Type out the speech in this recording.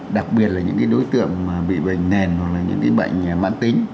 đặc biệt là những đối tượng mà bị bệnh nền hoặc là những bệnh mãn tính